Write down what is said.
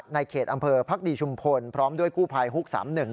ในเขตอำเภอภักดีชุมพลพร้อมด้วยกู้ภัยฮุก๓๑